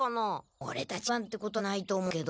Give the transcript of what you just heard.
オレたちが一番ってことはないと思うけど。